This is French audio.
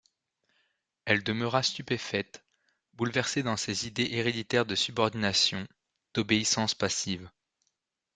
Elle demeura stupéfaite, bouleversée dans ses idées héréditaires de subordination, d’obéissance passive.